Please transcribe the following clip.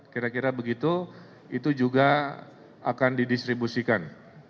kira kira begitu itu juga akan didistribusikan